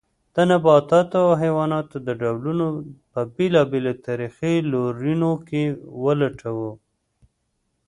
د نباتاتو او حیواناتو د ډولونو په بېلابېلو تاریخي لورینو کې ولټوو.